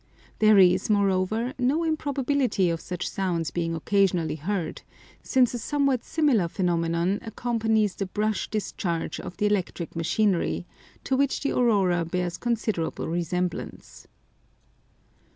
There is, moreover, no improbability of such sounds being occasionally heard, since a somewhat similar phenomenon accompanies the brush discharge of the electric machinery, to which the aurora bears considerable resemblance.